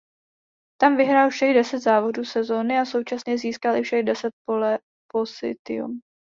Tam vyhrál všech deset závodů sezóny a současně získal i všech deset pole position.